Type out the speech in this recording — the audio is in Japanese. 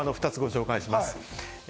２つ、ご紹介します。